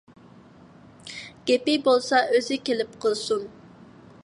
گېپى بولسا ئۆزى كېلىپ قىلسۇن!